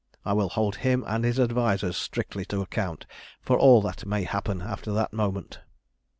I will hold him and his advisers strictly to account for all that may happen after that moment.